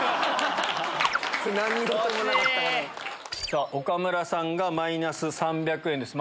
さぁ岡村さんがマイナス３００円です。